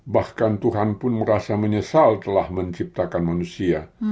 bahkan tuhan pun merasa menyesal telah menciptakan manusia